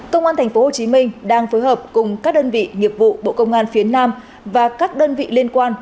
công an tp hcm đang phối hợp cùng các đơn vị nghiệp vụ bộ công an phía nam và các đơn vị liên quan